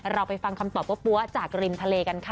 เราไปฟังคำตอบปั๊วจากริมทะเลกันค่ะ